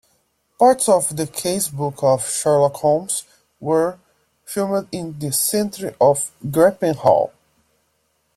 Parts of the "Case-Book of Sherlock Holmes" were filmed in the centre of Grappenhall.